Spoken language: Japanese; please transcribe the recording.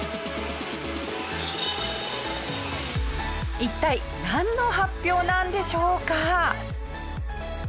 一体なんの発表なんでしょうか？